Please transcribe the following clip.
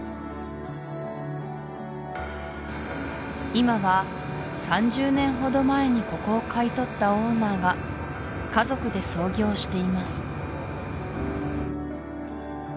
今は３０年ほど前にここを買い取ったオーナーが家族で操業しています